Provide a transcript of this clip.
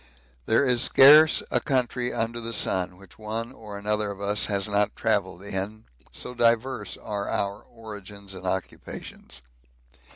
There is scarce a country under the sun which one or another of us has not travelled in, so diverse are our origins and occupations.